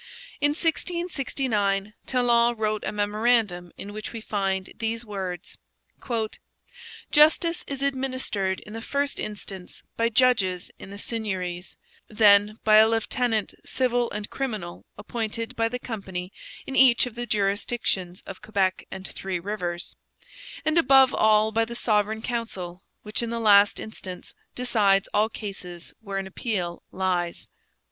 In 1669 Talon wrote a memorandum in which we find these words: 'Justice is administered in the first instance by judges in the seigneuries; then by a lieutenant civil and criminal appointed by the company in each of the jurisdictions of Quebec and Three Rivers; and above all by the Sovereign Council, which in the last instance decides all cases where an appeal lies.'